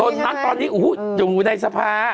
ตอนนั้นตอนนี้อยู่ในสภา